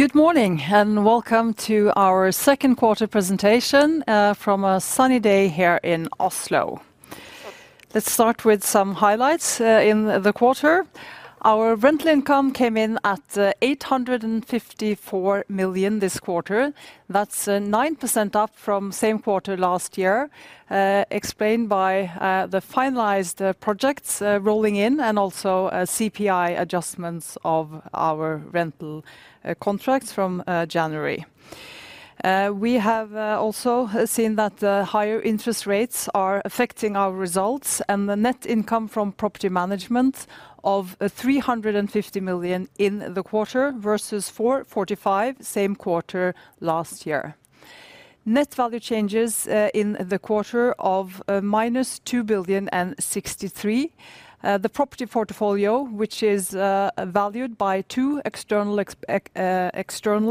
Good morning, and welcome to our second quarter presentation from a sunny day here in Oslo. Let's start with some highlights in the quarter. Our rental income came in at 854 million this quarter. That's 9% up from same quarter last year, explained by the finalized projects rolling in and also a CPI adjustments of our rental contracts from January. We have also seen that the higher interest rates are affecting our results and the net income from property management of 350 million in the quarter versus 445 million same quarter last year. Net value changes in the quarter of -2,000,000,063. The property portfolio, which is valued by two external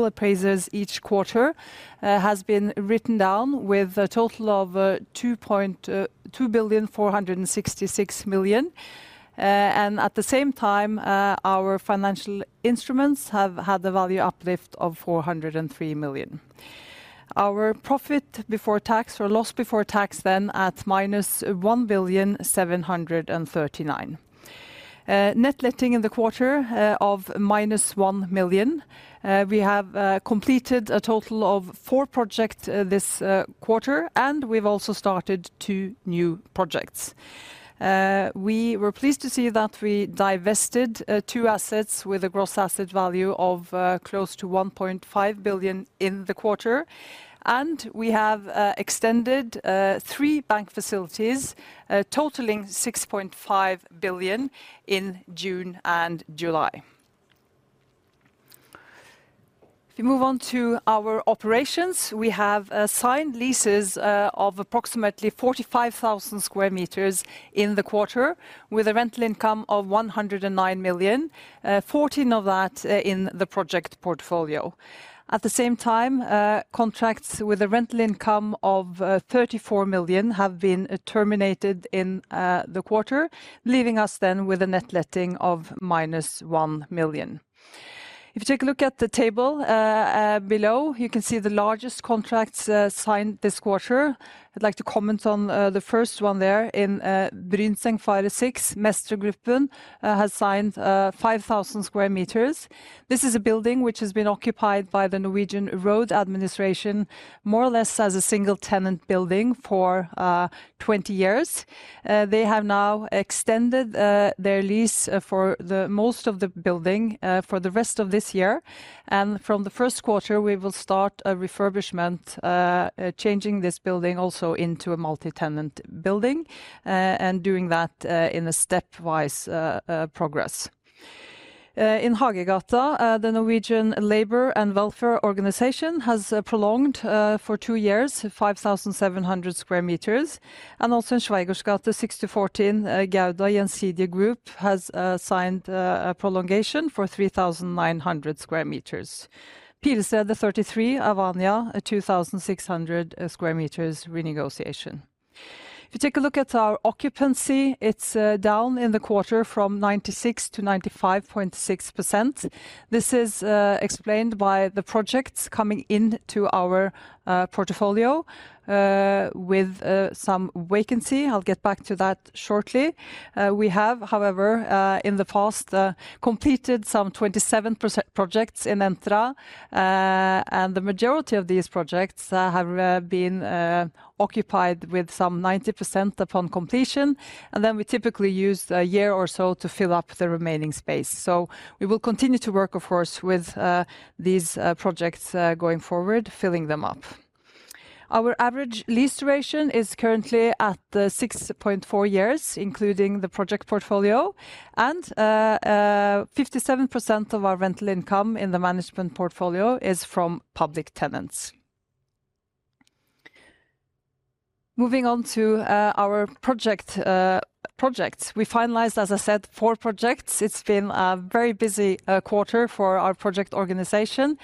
appraisers each quarter, has been written down with a total of 2 billion 466 million. At the same time, our financial instruments have had the value uplift of 403 million. Our profit before tax or loss before tax then at -1,000,000,739. Net letting in the quarter of -1 million. We have completed a total of four project this quarter, and we've also started two new projects. We were pleased to see that we divested two assets with a gross asset value of close to 1.5 billion in the quarter, and we have extended three bank facilities totaling 6.5 billion in June and July. If we move on to our operations, we have signed leases of approximately 45,000 sq m in the quarter, with a rental income of 109 million, 14 of that in the project portfolio. At the same time, contracts with a rental income of 34 million have been terminated in the quarter, leaving us then with a net letting of -1 million. If you take a look at the table below, you can see the largest contracts signed this quarter. I'd like to comment on the first one there in Brynsengfaret 6. Mestergruppen has signed 5,000 sq m. This is a building which has been occupied by the Norwegian Public Roads Administration, more or less as a single-tenant building for 20 years. They have now extended their lease for the most of the building for the rest of this year, and from the first quarter, we will start a refurbishment, changing this building also into a multi-tenant building, and doing that in a stepwise progress. In Hagegata, the Norwegian Labour and Welfare Administration has prolonged for two years, 5,700 sq m, and also in Schweigaards gate 6-14, Gaarder & Syse Group Pilestredet 33, Advania, a 2,600 sq m renegotiation. If you take a look at our occupancy, it's down in the quarter from 96%-95.6%. This is explained by the projects coming into our portfolio with some vacancy. I'll get back to that shortly. We have, however, in the past completed some 27 projects in Entra, and the majority of these projects have been occupied with some 90% upon completion, and then we typically use a year or so to fill up the remaining space. We will continue to work, of course, with these projects going forward, filling them up. Our average lease duration is currently at 6.4 years, including the project portfolio, and 57% of our rental income in the management portfolio is from public tenants. Moving on to our project projects. We finalized, as I said, four projects. It's been a very busy quarter for our project organization.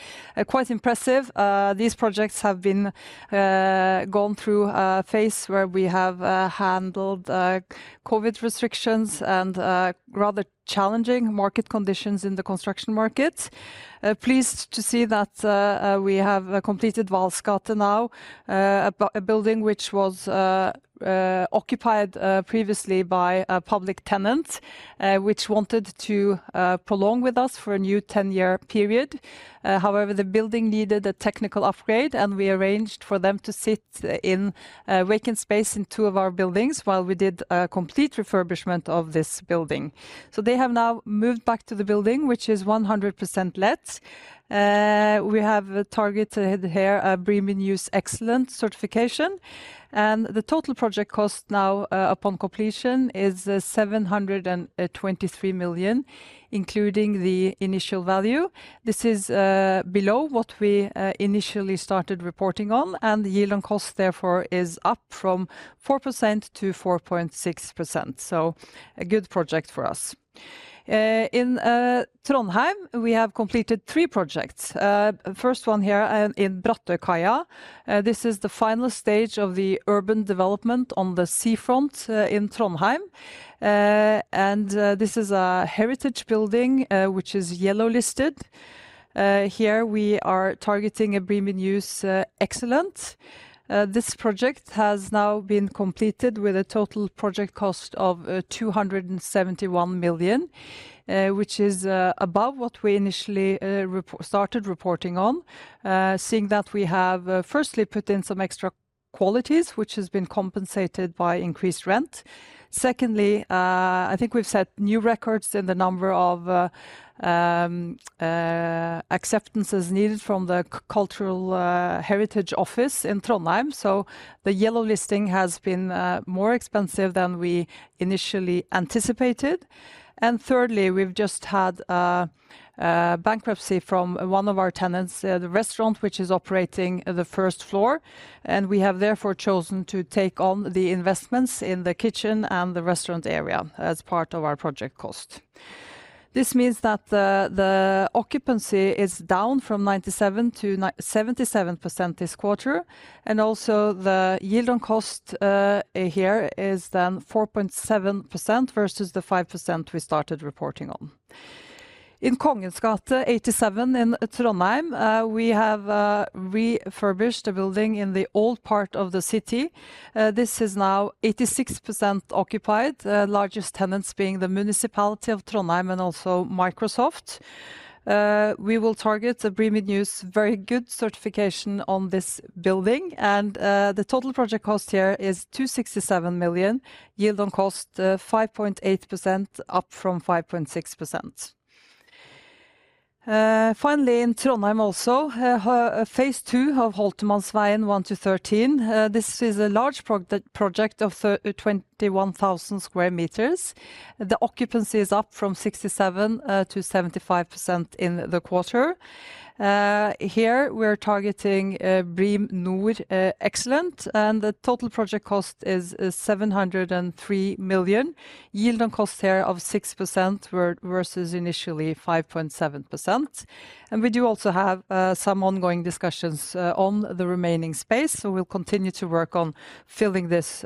Quite impressive. These projects have been gone through a phase where we have handled COVID restrictions and rather challenging market conditions in the construction market. Pleased to see that we have completed Vahls gate now, a building which was occupied previously by a public tenant, which wanted to prolong with us for a new 10-year period. However, the building needed a technical upgrade, and we arranged for them to sit in vacant space in two of our buildings while we did a complete refurbishment of this building. They have now moved back to the building, which is 100% let. We have targeted here, a BREEAM In-Use Excellent certification, and the total project cost now upon completion, is 723 million, including the initial value. This is below what we initially started reporting on, and the yield on cost, therefore, is up from 4%-4.6%, so a good project for us. In Trondheim, we have completed three projects. First one here, in Brattørkaia. This is the final stage of the urban development on the seafront, in Trondheim. This is a heritage building, which is Yellow Listed. Here we are targeting a BREEAM In-Use Excellent. This project has now been completed with a total project cost of 271 million, which is above what we initially started reporting on. Seeing that we have firstly put in some extra qualities, which has been compensated by increased rent. Secondly, I think we've set new records in the number of acceptances needed from the cultural heritage office in Trondheim. The Yellow Listing has been more expensive than we initially anticipated. Thirdly, we've just had bankruptcy from one of our tenants, the restaurant, which is operating at the first floor, and we have therefore chosen to take on the investments in the kitchen and the restaurant area as part of our project cost. This means that the occupancy is down from 97%-77% this quarter, and also the yield on cost here is then 4.7% versus the 5% we started reporting on. In Kongens gate 87 in Trondheim, we have refurbished a building in the old part of the city. This is now 86% occupied, the largest tenants being the municipality of Trondheim and also Microsoft. We will target the BREEAM In-Use Very Good certification on this building, and the total project cost here is 267 million. Yield on cost, 5.8%, up from 5.6%. Finally, in Trondheim also, phase two of Holtermannsveien 1–13. This is a large project of 21,000 sq m. The occupancy is up from 67%-75% in the quarter. Here, we're targeting BREEAM-NOR Excellent, and the total project cost is 703 million. Yield on cost here of 6% versus initially 5.7%. We do also have some ongoing discussions on the remaining space, so we'll continue to work on filling this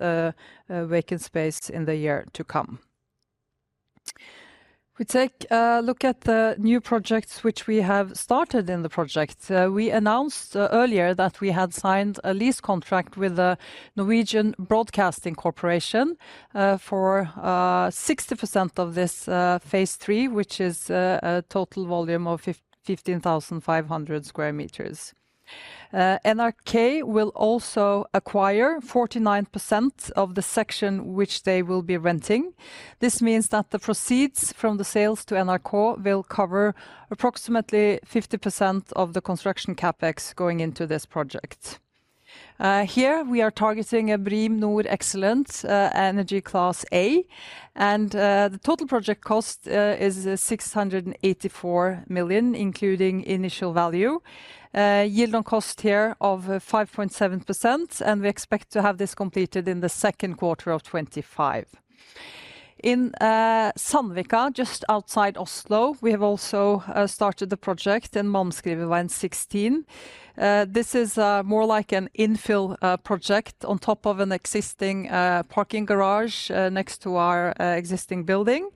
vacant space in the year to come. We take a look at the new projects which we have started in the project. We announced earlier that we had signed a lease contract with the Norwegian Broadcasting Corporation for 60% of this phase 3, which is a total volume of 15,500 sq m. NRK will also acquire 49% of the section which they will be renting. This means that the proceeds from the sales to NRK will cover approximately 50% of the construction CapEx going into this project. Here, we are targeting a BREEAM-NOR Excellent, Energy Class A, and the total project cost is 684 million, including initial value. Yield on cost here of 5.7%, and we expect to have this completed in the second quarter of 2025. In Sandvika, just outside Oslo, we have also started the project in Malmøyvegen 11 This is more like an infill project on top of an existing parking garage next to our existing building.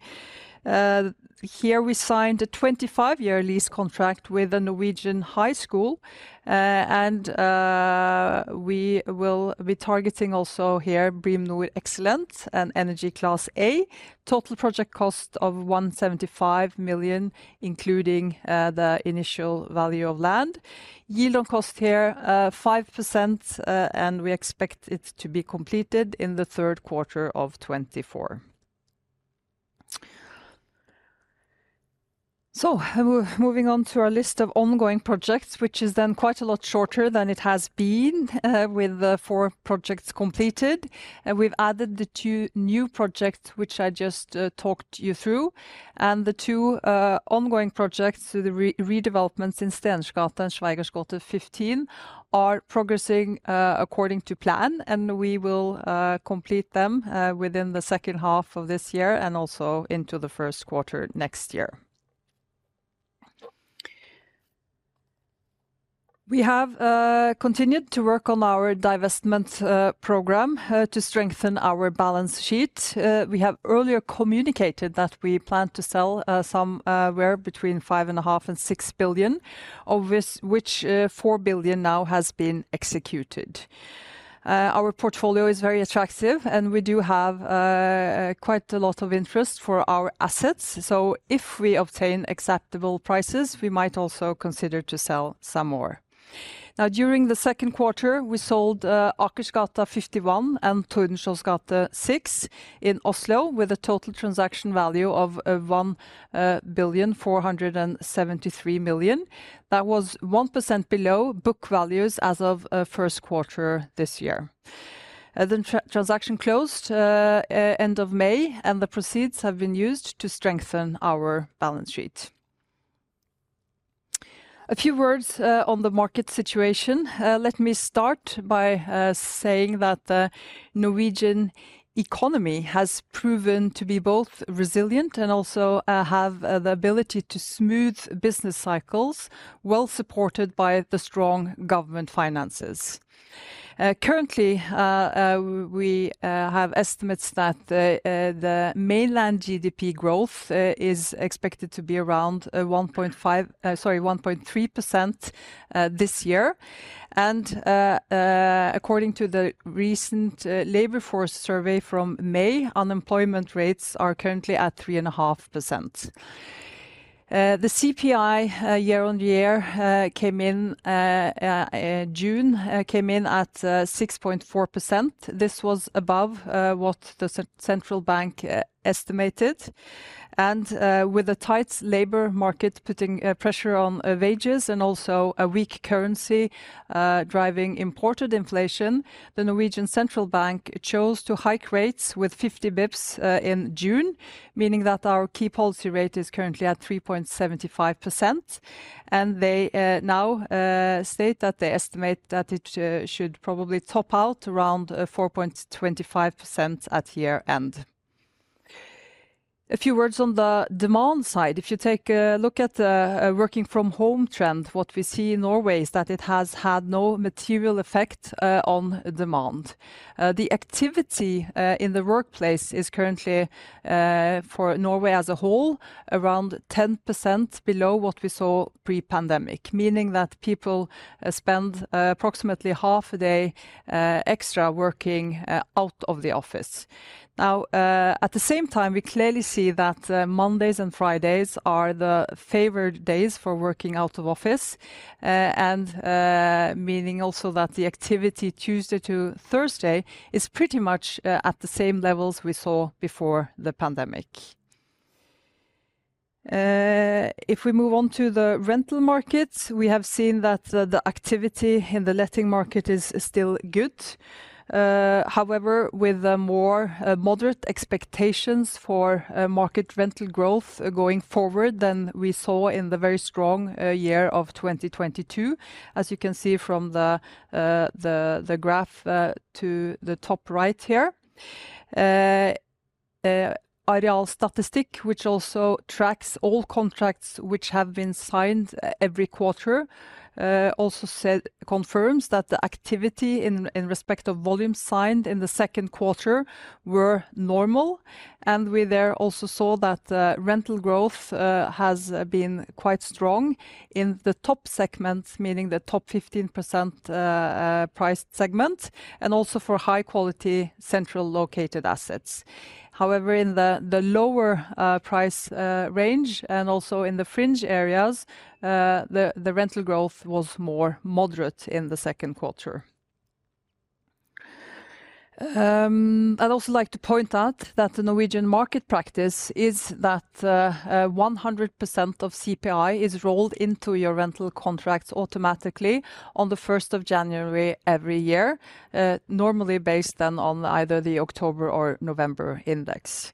Here, we signed a 25-year lease contract with a Norwegian high school, and we will be targeting also here, BREEAM-NOR Excellent and Energy Class A. Total project cost of 175 million, including the initial value of land. Yield on cost here, 5%, and we expect it to be completed in the third quarter of 2024. We're moving on to our list of ongoing projects, which is then quite a lot shorter than it has been with the four projects completed. We've added the two new projects, which I just talked you through. The two ongoing projects, the redevelopments in Stensgata and Schweigaards gate 15, are progressing according to plan, and we will complete them within the second half of this year and also into the first quarter next year. We have continued to work on our divestment program to strengthen our balance sheet. We have earlier communicated that we plan to sell somewhere between 5.5 billion and 6 billion, of which 4 billion now has been executed. Our portfolio is very attractive, and we do have quite a lot of interest for our assets. If we obtain acceptable prices, we might also consider to sell some more. During the second quarter, we sold Akersgata 51 and Tordenskiolds gate 6 in Oslo, with a total transaction value of 1.473 billion. That was 1% below book values as of first quarter this year. The transaction closed end of May, the proceeds have been used to strengthen our balance sheet. A few words on the market situation. Let me start by saying that the Norwegian economy has proven to be both resilient and also have the ability to smooth business cycles, well supported by the strong government finances. Currently, we have estimates that the mainland GDP growth is expected to be around 1.3% this year. According to the recent labor force survey from May, unemployment rates are currently at 3.5%. The CPI year-on-year came in in June at 6.4%. This was above what the central bank estimated. With a tight labor market putting pressure on wages and also a weak currency driving imported inflation, the Norwegian Central Bank chose to hike rates with 50 basis points in June, meaning that our key policy rate is currently at 3.75%. They now state that they estimate that it should probably top out around 4.25% at year-end. A few words on the demand side. If you take a look at a working from home trend, what we see in Norway is that it has had no material effect on demand. The activity in the workplace is currently for Norway as a whole, around 10% below what we saw pre-pandemic, meaning that people spend approximately half a day extra working out of the office. At the same time, we clearly see that Mondays and Fridays are the favored days for working out of office. Meaning also that the activity Tuesday to Thursday is pretty much at the same levels we saw before the pandemic. If we move on to the rental markets, we have seen that the activity in the letting market is still good. However, with a more moderate expectations for market rental growth going forward than we saw in the very strong year of 2022. As you can see from the graph to the top right here. Arealstatistikk, which also tracks all contracts which have been signed every quarter, confirms that the activity in respect of volume signed in the second quarter were normal. We there also saw that rental growth has been quite strong in the top segments, meaning the top 15% price segment, and also for high quality central located assets. However, in the lower price range, and also in the fringe areas, the rental growth was more moderate in the second quarter. I'd also like to point out that the Norwegian market practice is that 100% of CPI is rolled into your rental contracts automatically on the 1st of January every year, normally based on either the October or November index.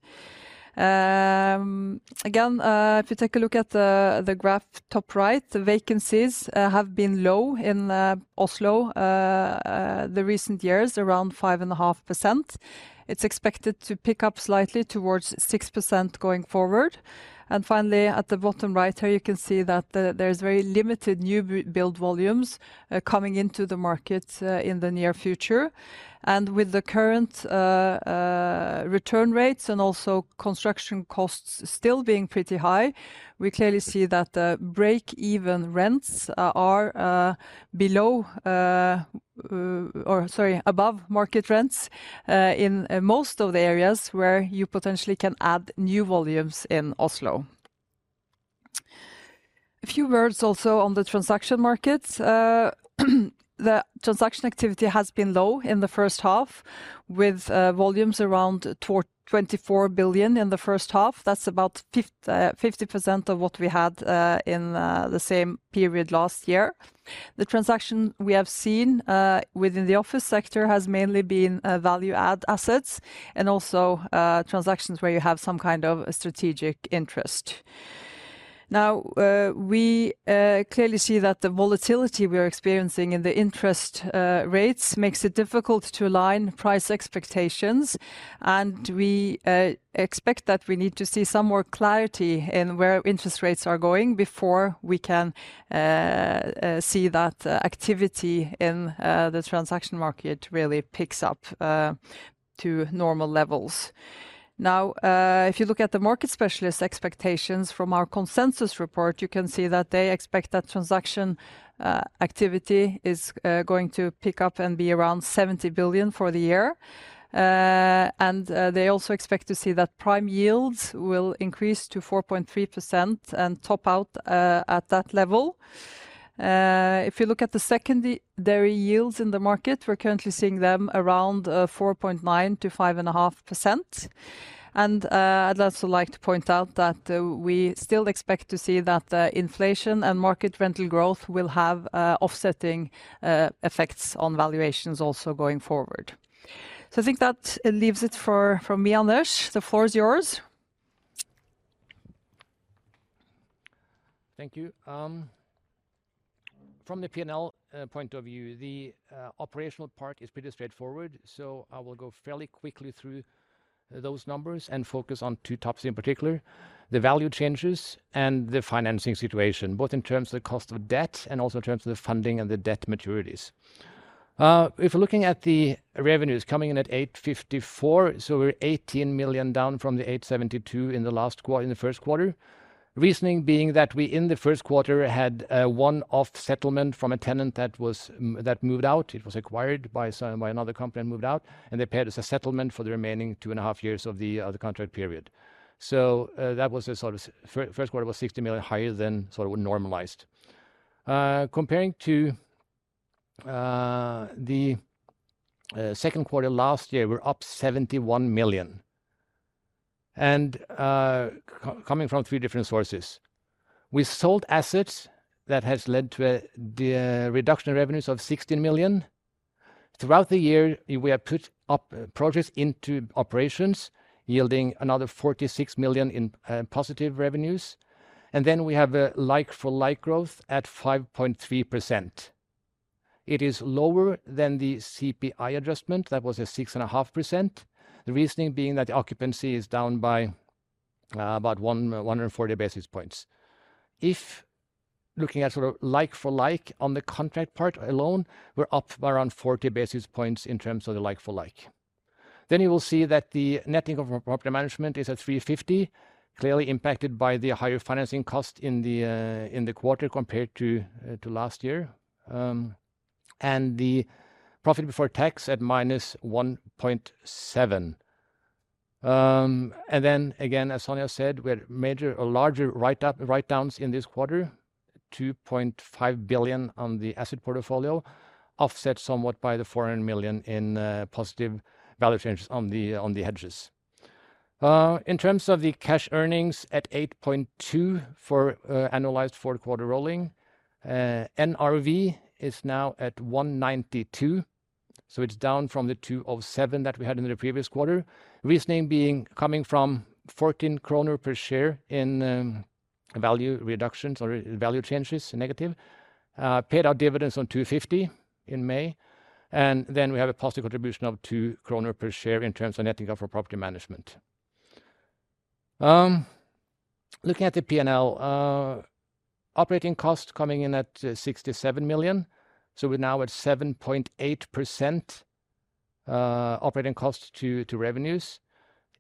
Again, if you take a look at the graph top right, the vacancies have been low in Oslo the recent years, around 5.5%. It's expected to pick up slightly towards 6% going forward. Finally, at the bottom right here, you can see that there's very limited new build volumes coming into the market in the near future. With the current return rates and also construction costs still being pretty high, we clearly see that the break-even rents are above market rents, in most of the areas where you potentially can add new volumes in Oslo. A few words also on the transaction markets. The transaction activity has been low in the first half, with volumes around 24 billion in the first half. That's about 50% of what we had in the same period last year. The transaction we have seen within the office sector has mainly been value add assets and also transactions where you have some kind of a strategic interest. Now, we clearly see that the volatility we are experiencing in the interest rates makes it difficult to align price expectations, and we expect that we need to see some more clarity in where interest rates are going before we can see that activity in the transaction market really picks up to normal levels. Now, if you look at the market specialist expectations from our consensus report, you can see that they expect that transaction activity is going to pick up and be around 70 billion for the year. They also expect to see that prime yields will increase to 4.3% and top out at that level. If you look at the secondary yields in the market, we're currently seeing them around 4.9%-5.5%. I'd also like to point out that, we still expect to see that, inflation and market rental growth will have, offsetting, effects on valuations also going forward. I think that leaves it for, from me, Anders. The floor is yours. Thank you. From the P&L point of view, the operational part is pretty straightforward, so I will go fairly quickly through those numbers and focus on two topics, in particular, the value changes and the financing situation, both in terms of the cost of debt and also in terms of the funding and the debt maturities. If we're looking at the revenues coming in at 854, we're 18 million down from the 872 in the first quarter. Reasoning being that we, in the first quarter, had a one-off settlement from a tenant that moved out. It was acquired by some, by another company and moved out, and they paid us a settlement for the remaining two and a half years of the contract period. That was a sort of first quarter was 60 million higher than sort of normalized. Comparing to the second quarter last year, we're up 71 million. Coming from three different sources. We sold assets that has led to a reduction in revenues of 16 million. Throughout the year, we have put up projects into operations, yielding another 46 million in positive revenues, and then we have a like-for-like growth at 5.3%. It is lower than the CPI adjustment. That was a 6.5%. The reasoning being that the occupancy is down by about 140 basis points. If looking at sort of like-for-like on the contract part alone, we're up by around 40 basis points in terms of the like-for-like. You will see that the net income from property management is at 350 million, clearly impacted by the higher financing cost in the quarter compared to last year. The profit before tax at -1.7 billion. Again, as Sonja said, we had major or larger write-downs in this quarter, 2.5 billion on the asset portfolio, offset somewhat by the 400 million in positive value changes on the hedges. In terms of the cash earnings at 8.2 for annualized fourth quarter rolling, NRV is now at 192, so it is down from the 207 that we had in the previous quarter. Reasoning being coming from 14 kroner per share in value reductions or value changes, negative. Paid out dividends on 250 in May, we have a positive contribution of 2 kroner per share in terms of net income for property management. Looking at the P&L, operating costs coming in at 67 million, we're now at 7.8% operating costs to revenues,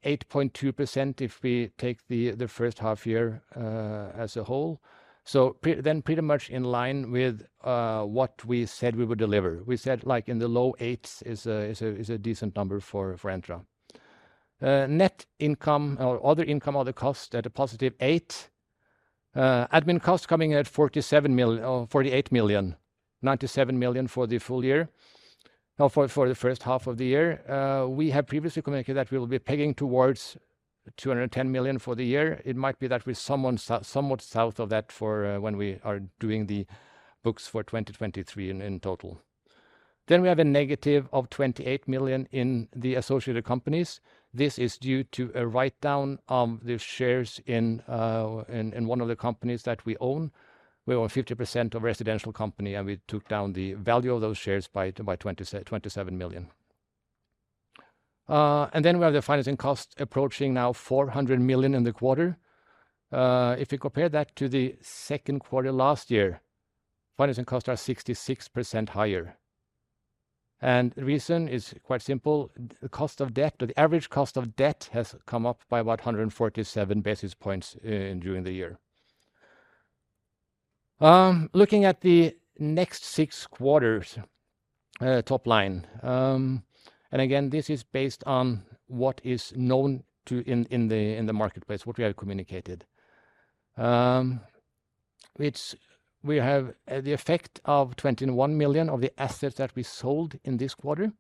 8.2% if we take the first half year as a whole. Pretty much in line with what we said we would deliver. We said, like in the low 8s is a decent number for Entra. Net income or other income, other costs at a positive 8. Admin costs coming in at 48 million, 97 million for the full year. For the first half of the year, we have previously communicated that we will be pegging towards 210 million for the year. It might be that we're somewhat south of that when we are doing the books for 2023 in total. We have a negative of 28 million in the associated companies. This is due to a write-down of the shares in one of the companies that we own. We own 50% of residential company, and we took down the value of those shares by 27 million. We have the financing costs approaching now 400 million in the quarter. If you compare that to the second quarter last year, financing costs are 66% higher, the reason is quite simple: the cost of debt or the average cost of debt has come up by about 147 basis points during the year. Looking at the next six quarters, top line, again, this is based on what is known to in the marketplace, what we have communicated. We have the effect of 21 million of the assets that we sold in this quarter,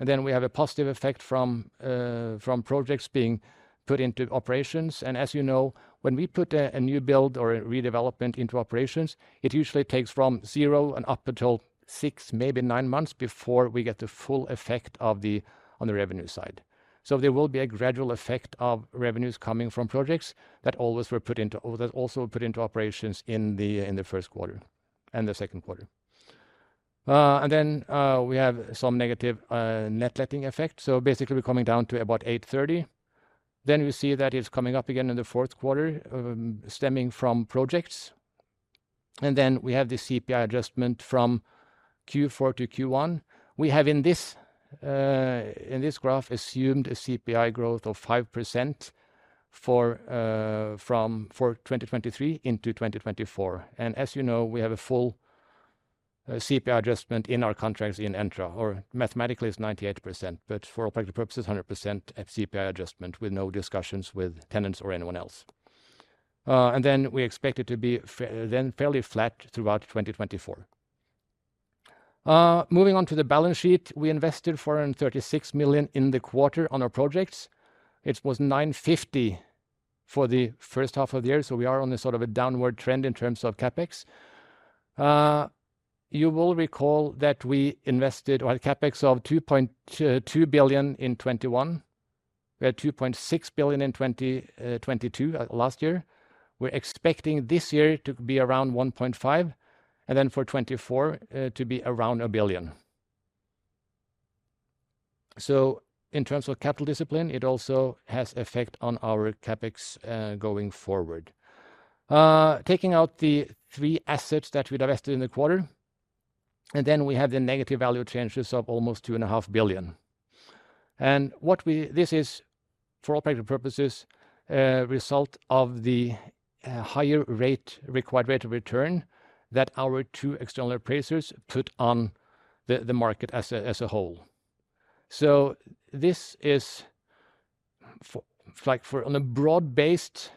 then we have a positive effect from projects being put into operations. As you know, when we put a new build or a redevelopment into operations, it usually takes from zero and up until six, maybe nine months before we get the full effect of the revenue side. There will be a gradual effect of revenues coming from projects that always were put into, or that also put into operations in the first quarter and the second quarter. Then we have some negative net letting effect, so basically, we're coming down to about 830. We see that it's coming up again in the fourth quarter, stemming from projects, and then we have the CPI adjustment from Q4-Q1. We have, in this graph, assumed a CPI growth of 5% for from 2023 into 2024. As you know, we have a full CPI adjustment in our contracts in Entra, or mathematically, it's 98%, but for all practical purposes, 100% at CPI adjustment with no discussions with tenants or anyone else. Then we expect it to be then fairly flat throughout 2024. Moving on to the balance sheet, we invested 436 million in the quarter on our projects. It was 950 for the first half of the year, we are on a sort of a downward trend in terms of CapEx. You will recall that we invested or had CapEx of 2.2 billion in 2021. We had 2.6 billion in 2022 last year. We're expecting this year to be around 1.5 billion, and then for 2024 to be around 1 billion. In terms of capital discipline, it also has effect on our CapEx going forward. Taking out the three assets that we divested in the quarter. Then we have the negative value changes of almost 2.5 billion. This is, for all practical purposes, a result of the higher rate, required rate of return that our two external appraisers put on the market as a whole. This is, for, like, on a broad-based,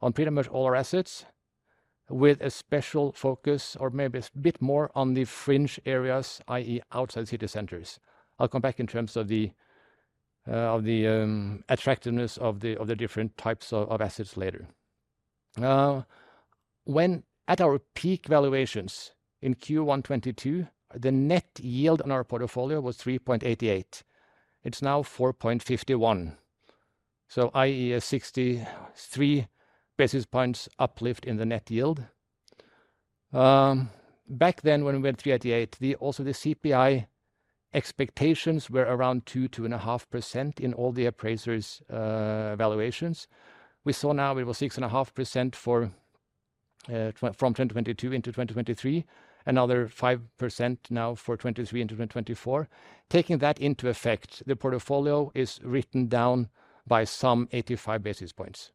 on pretty much all our assets, with a special focus or maybe a bit more on the fringe areas, i.e., outside city centers. I'll come back in terms of the attractiveness of the different types of assets later. When at our peak valuations in Q1 2022, the net yield on our portfolio was 3.88%. It's now 4.51. I.e., a 63 basis points uplift in the net yield. Back then, when we went 3.88, the CPI expectations were around 2% and 2.5% in all the appraisers' valuations. We saw now it was 6 and a half percent for from 2022 into 2023, another 5% now for 2023 into 2024. Taking that into effect, the portfolio is written down by some 85 basis points.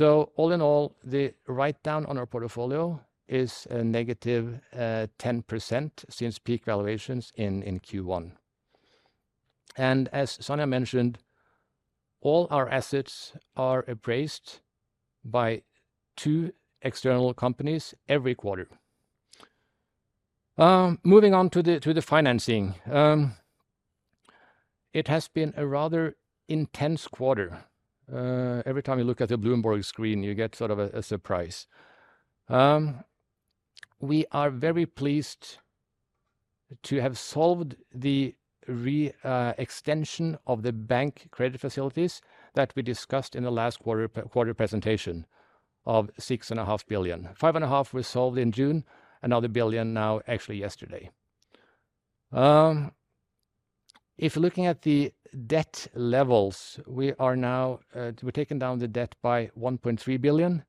All in all, the write-down on our portfolio is a -10% since peak valuations in Q1. As Sonja mentioned, all our assets are appraised by two external companies every quarter. Moving on to the financing. It has been a rather intense quarter. Every time you look at the Bloomberg screen, you get sort of a surprise. We are very pleased to have solved the extension of the bank credit facilities that we discussed in the last quarter presentation of 6.5 billion. 5.5 billion was solved in June, 1 billion now, actually yesterday. If looking at the debt levels, we are now, we've taken down the debt by 1.3 billion.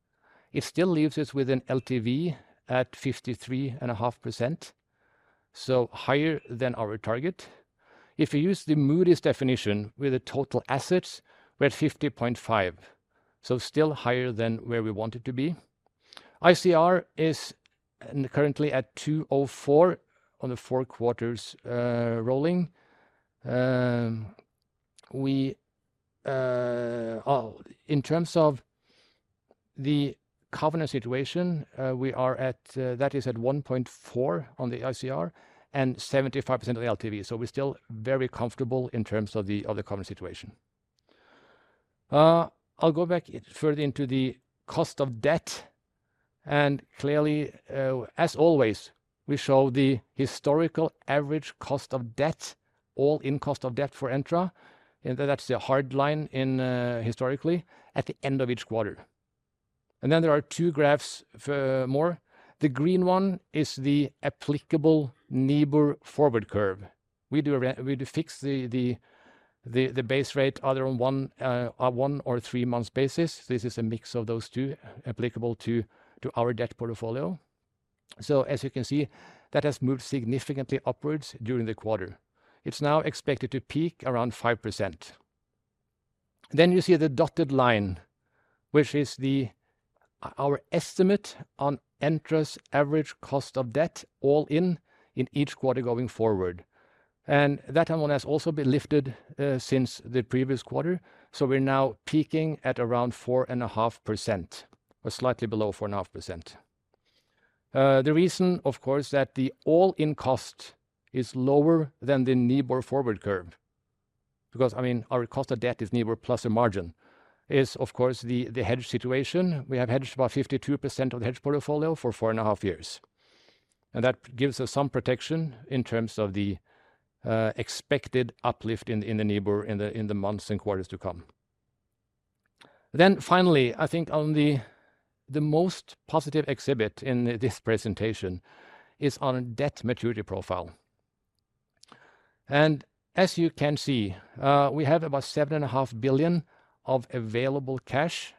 It still leaves us with an LTV at 53.5%, so higher than our target. If you use the Moody's definition with the total assets, we're at 50.5%, so still higher than where we want it to be. ICR is currently at 204 on the four quarters rolling. In terms of the covenant situation, we are at that is at 1.4 on the ICR and 75% of the LTV, we're still very comfortable in terms of the covenant situation. I'll go back further into the cost of debt, clearly, as always, we show the historical average cost of debt, all-in cost of debt for Entra, that's the hard line in historically, at the end of each quarter. There are two graphs for more. The green one is the applicable NIBOR forward curve. We do we fix the base rate either on one or three-month basis. This is a mix of those two applicable to our debt portfolio. As you can see, that has moved significantly upwards during the quarter. It's now expected to peak around 5%. You see the dotted line, which is our estimate on Entra's average cost of debt, all in each quarter going forward. That one has also been lifted since the previous quarter. We're now peaking at around 4.5%, or slightly below 4.5%. The reason, of course, that the all-in cost is lower than the NIBOR forward curve, because, I mean, our cost of debt is NIBOR+ a margin, is, of course, the hedge situation. We have hedged about 52% of the hedge portfolio for 4.5 years, and that gives us some protection in terms of the expected uplift in the NIBOR in the months and quarters to come. Finally, I think on the most positive exhibit in this presentation is on a debt maturity profile. As you can see, we have about 7.5 billion of available cash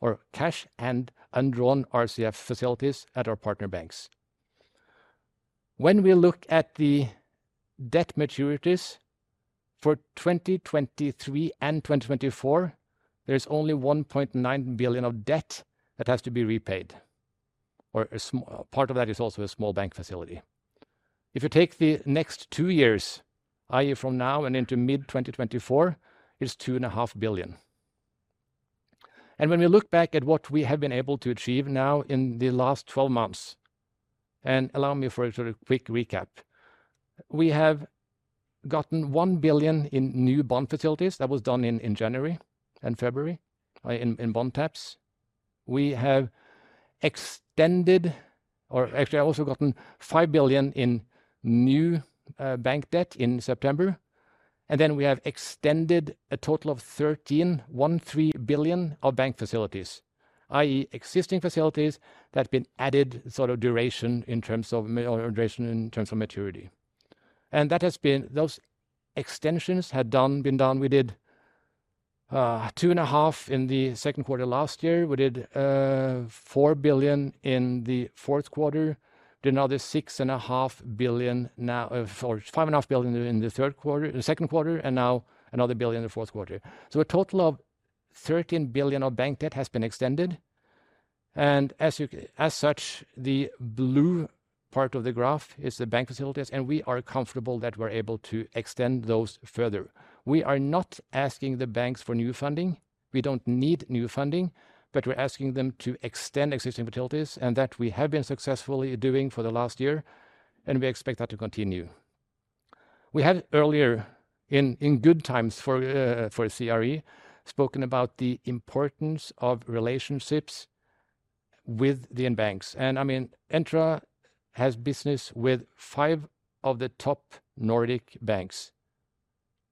or cash and undrawn RCF facilities at our partner banks. When we look at the debt maturities for 2023 and 2024, there is only 1.9 billion of debt that has to be repaid, or a part of that is also a small bank facility. If you take the next two years, i.e., from now and into mid-2024, it's 2.5 billion. When we look back at what we have been able to achieve now in the last 12 months, and allow me for a sort of quick recap. We have gotten 1 billion in new bond facilities. That was done in January and February in bond taps. We have extended, or actually also gotten 5 billion in new bank debt in September. We have extended a total of 13 billion of bank facilities, i.e., existing facilities that have been added sort of duration in terms of maturity. Those extensions been done. We did 2.5 billion in the second quarter last year. We did 4 billion in the fourth quarter, did another 6.5 billion now for 5.5 billion in the third quarter, in the second quarter, and now another 1 billion in the fourth quarter. A total of 13 billion of bank debt has been extended. As such, the blue part of the graph is the bank facilities, and we are comfortable that we're able to extend those further. We are not asking the banks for new funding. We don't need new funding, but we're asking them to extend existing facilities, and that we have been successfully doing for the last year, and we expect that to continue. We had earlier in good times for CRE, spoken about the importance of relationships with the banks. I mean, Entra has business with five of the top Nordic banks.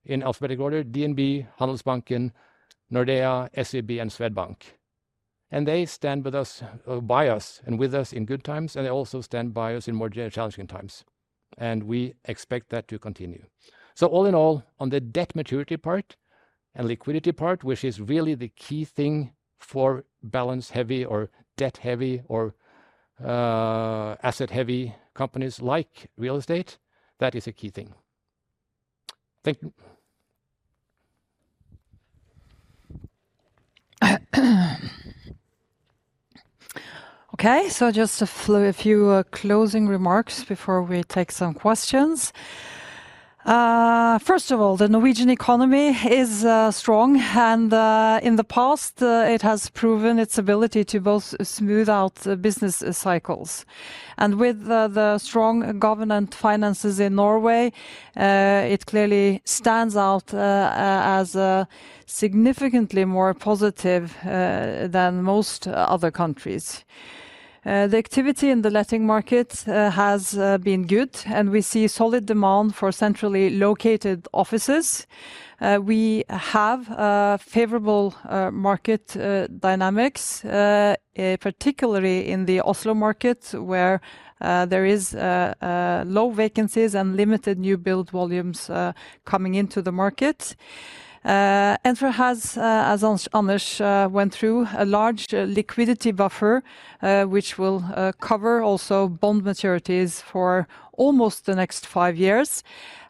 In alphabetic order: DNB, Handelsbanken, Nordea, SEB, and Swedbank. They stand with us, by us and with us in good times, and they also stand by us in more challenging times, and we expect that to continue. All in all, on the debt maturity part and liquidity part, which is really the key thing for balance-heavy or debt-heavy or asset-heavy companies like real estate, that is a key thing. Thank you. Just a few closing remarks before we take some questions. First of all, the Norwegian economy is strong, and in the past, it has proven its ability to both smooth out the business cycles. With the strong government finances in Norway, it clearly stands out as significantly more positive than most other countries. The activity in the letting market has been good, and we see solid demand for centrally located offices. We have favorable market dynamics, particularly in the Oslo market, where there is low vacancies and limited new build volumes coming into the market. Entra has, as Anders went through, a large liquidity buffer, which will cover also bond maturities for almost the next five years.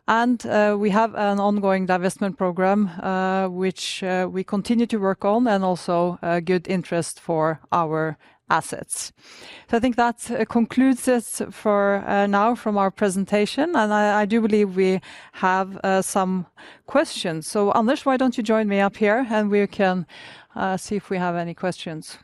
We have an ongoing divestment program, which we continue to work on, and also good interest for our assets. I think that concludes this for now from our presentation, and I do believe we have some questions. Anders, why don't you join me up here, and we can see if we have any questions?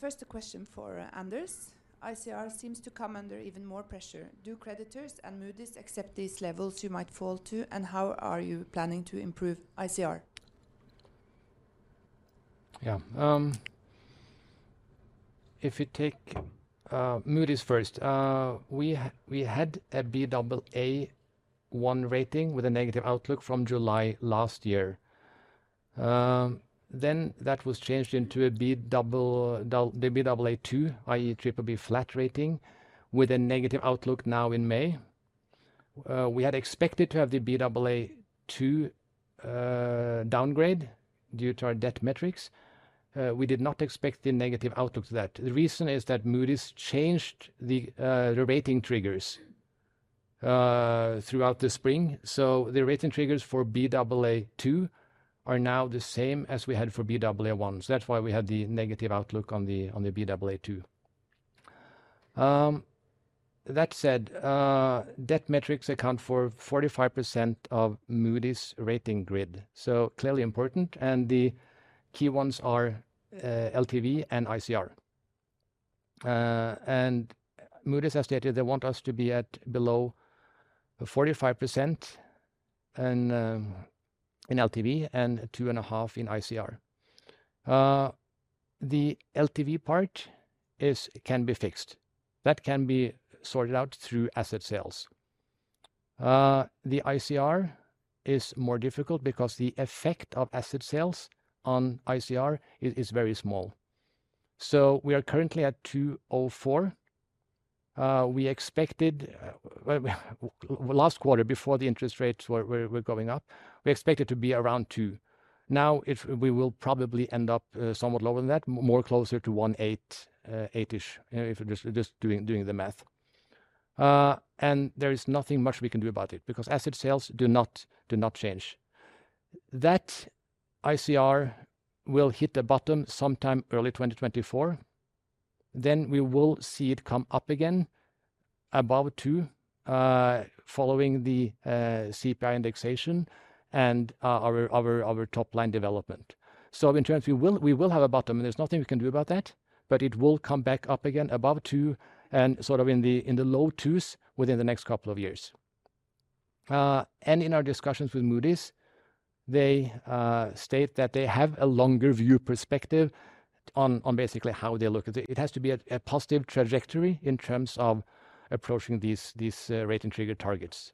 First, a question for Anders. ICR seems to come under even more pressure. Do creditors and Moody's accept these levels you might fall to, and how are you planning to improve ICR? Yeah. If you take Moody's first, we had a Baa1 rating with a negative outlook from July last year. That was changed into the Baa2, i.e., triple B flat rating, with a negative outlook now in May. We had expected to have the Baa2 downgrade due to our debt metrics. We did not expect the negative outlook to that. The reason is that Moody's changed the rating triggers throughout the spring. The rating triggers for Baa2 are now the same as we had for Baa1, so that's why we had the negative outlook on the Baa2. That said, debt metrics account for 45% of Moody's rating grid, so clearly important, and the key ones are LTV and ICR. Moody's has stated they want us to be at below 45% in LTV and 2.5 in ICR. The LTV part can be fixed. That can be sorted out through asset sales. The ICR is more difficult because the effect of asset sales on ICR is very small. We are currently at 2.04. We expected, well, last quarter, before the interest rates were going up, we expected to be around 2. We will probably end up somewhat lower than that, more closer to 1.8-ish, if you're doing the math There is nothing we can do about it because asset sales do not change. That ICR will hit a bottom sometime early 2024, then we will see it come up again above 2%, following the CPI indexation and our top-line development. In terms, we will have a bottom, and there's nothing we can do about that, but it will come back up again above 2 and sort of in the low 2s within the next couple of years. In our discussions with Moody's, they state that they have a longer view perspective on basically how they look at it. It has to be a positive trajectory in terms of approaching these rating trigger targets.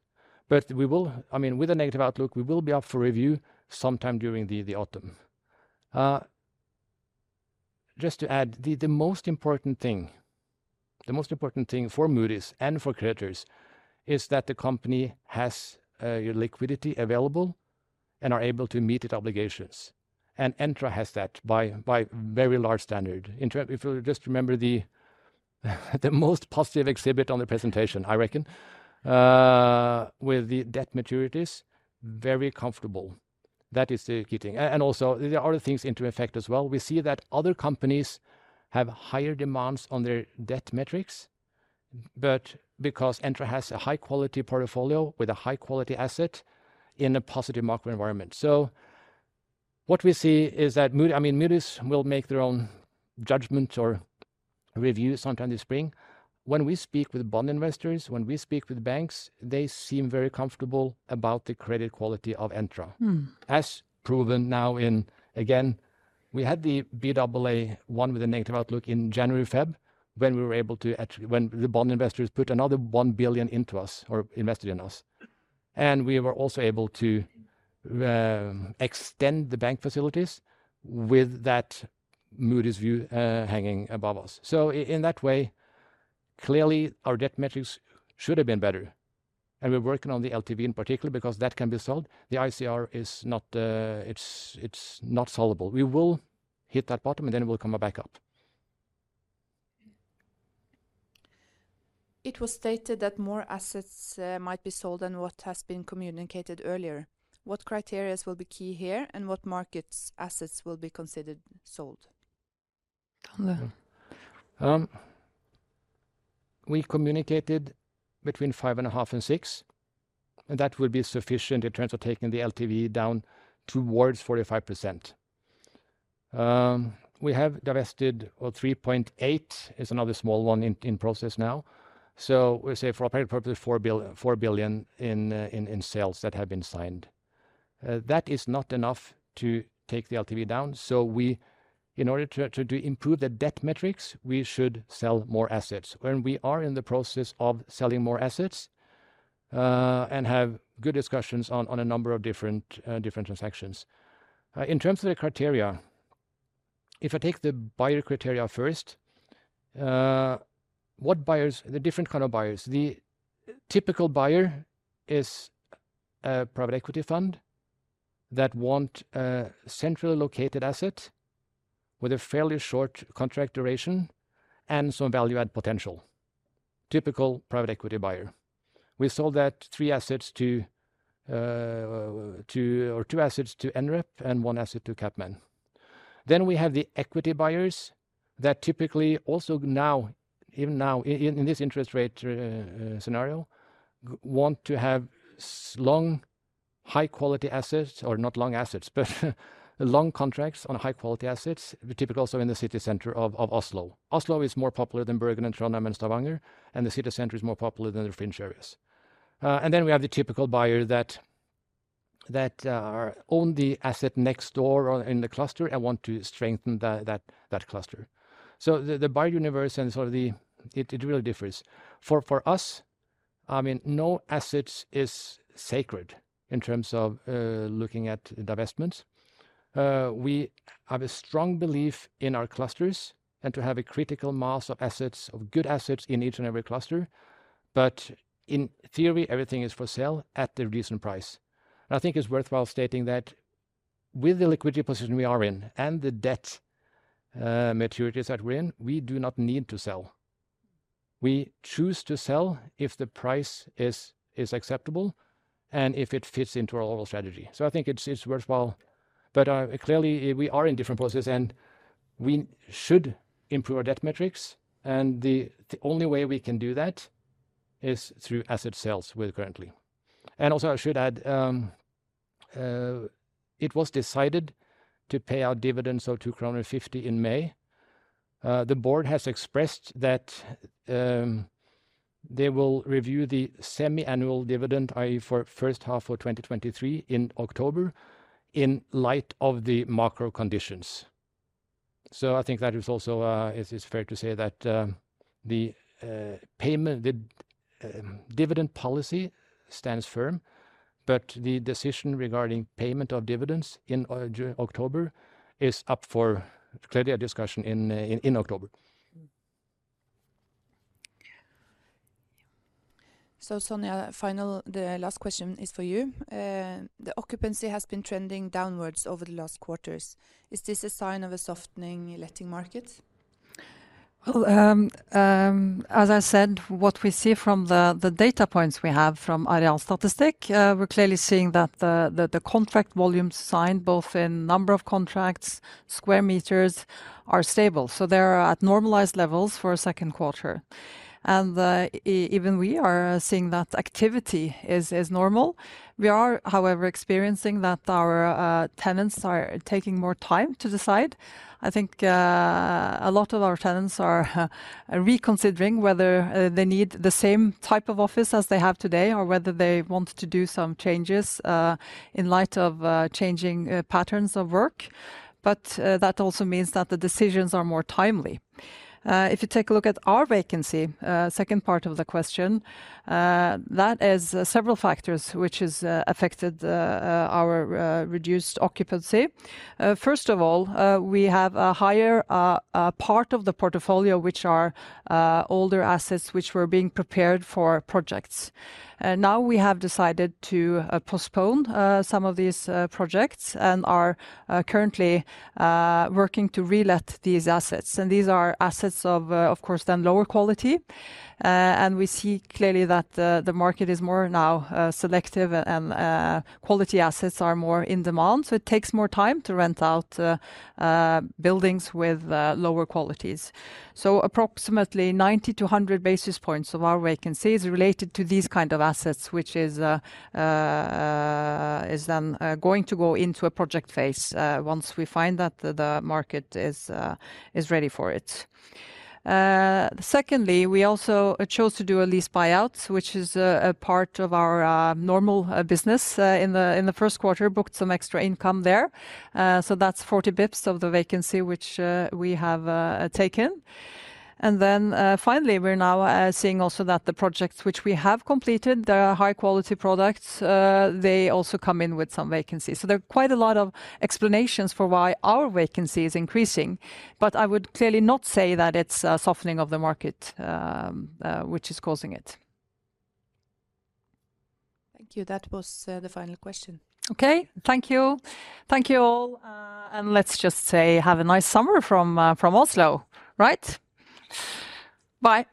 I mean, with a negative outlook, we will be up for review sometime during the autumn. Just to add, the most important thing, the most important thing for Moody's and for creditors is that the company has liquidity available and are able to meet its obligations, and Entra has that by very large standard. In term, if you'll just remember the most positive exhibit on the presentation, I reckon, with the debt maturities, very comfortable. That is the key thing. Also, there are other things into effect as well. We see that other companies have higher demands on their debt metrics, because Entra has a high-quality portfolio with a high-quality asset in a positive market environment. What we see is that I mean, Moody's will make their own judgment or review sometime this spring. When we speak with bond investors, when we speak with banks, they seem very comfortable about the credit quality of Entra. As proven now in, again, we had the Baa1 with a negative outlook in January, February, when we were able to actually. When the bond investors put another 1 billion into us or invested in us. We were also able to extend the bank facilities with that Moody's view hanging above us. In that way, clearly, our debt metrics should have been better, and we're working on the LTV in particular because that can be sold. The ICR is not, it's not sellable. We will hit that bottom, then we'll come back up. It was stated that more assets might be sold than what has been communicated earlier. What criteria will be key here, and what markets assets will be considered sold? We communicated between 5.5 and 6, and that will be sufficient in terms of taking the LTV down towards 45%. We have divested, or 3.8 billion, is another small one in process now. We say for all practical purpose, 4 billion in sales that have been signed. That is not enough to take the LTV down, so we, in order to improve the debt metrics, we should sell more assets. We are in the process of selling more assets, and have good discussions on a number of different transactions. In terms of the criteria, if I take the buyer criteria first, the different kind of buyers. The typical buyer is a private equity fund that want a centrally located asset with a fairly short contract duration and some value-add potential. Typical private equity buyer. We sold that three assets or two assets to Nrep and 1 asset to CapMan. We have the equity buyers that typically also now, even now in this interest rate scenario, want to have long, high-quality assets, or not long assets, but long contracts on high-quality assets, typical also in the city center of Oslo. Oslo is more popular than Bergen and Trondheim and Stavanger, and the city center is more popular than the fringe areas. We have the typical buyer that own the asset next door or in the cluster and want to strengthen that cluster. The buyer universe and sort of it really differs. For us, I mean, no assets is sacred in terms of looking at divestments. We have a strong belief in our clusters and to have a critical mass of assets, of good assets in each and every cluster, but in theory, everything is for sale at a decent price. I think it's worthwhile stating that with the liquidity position we are in and the debt maturities that we're in, we do not need to sell. We choose to sell if the price is acceptable and if it fits into our overall strategy. I think it's worthwhile. Clearly, we are in different places, and we should improve our debt metrics, and the only way we can do that is through asset sales with currently. Also, I should add, it was decided to pay out dividends of 2.50 kroner in May. The board has expressed that they will review the semi-annual dividend, i.e., for first half of 2023 in October, in light of the macro conditions. I think that is also, is fair to say that the payment, the dividend policy stands firm, but the decision regarding payment of dividends in October is up for clearly a discussion in October. Sonja, final, the last question is for you. The occupancy has been trending downwards over the last quarters. Is this a sign of a softening letting market? Well, as I said, what we see from the data points we have from Arealstatistikk k If you take a look at our vacancy, second part of the question, that is several factors which has affected the our reduced occupancy. First of all, we have a higher part of the portfolio, which are older assets which were being prepared for projects. Now we have decided to postpone some of these projects and are currently working to relet these assets, and these are assets of course, then lower quality. We see clearly that the market is more now selective and quality assets are more in demand, so it takes more time to rent out buildings with lower qualities. Approximately 90-100 basis points of our vacancy is related to these kind of assets, which is then going to go into a project phase once we find that the market is ready for it. Secondly, we also chose to do a lease buyout, which is a part of our normal business in the first quarter, booked some extra income there. That's 40 bips of the vacancy which we have taken. Then, finally, we're now seeing also that the projects which we have completed, they are high-quality products, they also come in with some vacancy. There are quite a lot of explanations for why our vacancy is increasing, but I would clearly not say that it's a softening of the market, which is causing it. Thank you. That was the final question. Okay. Thank you. Thank you all, and let's just say have a nice summer from Oslo. Right? Bye.